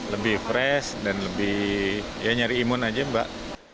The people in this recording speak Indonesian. lebih fresh dan lebih ya nyari imun aja mbak